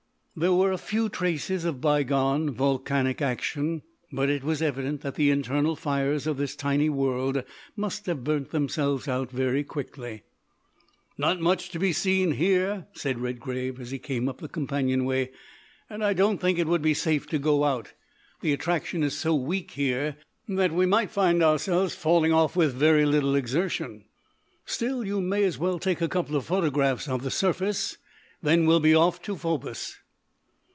There were a few traces of bygone volcanic action, but it was evident that the internal fires of this tiny world must have burnt themselves out very quickly. "Not much to be seen here," said Redgrave, as he came up the companion way, "and I don't think it would be safe to go out. The attraction is so weak here that we might find ourselves falling off with very little exertion. Still, you may as well take a couple of photographs of the surface, and then we'll be off to Phobos."